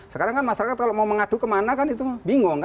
sekarang kan masyarakat kalau mau mengadu kemana kan itu bingung